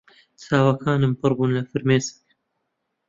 چاوەکانم پڕ بوون لە فرمێسک.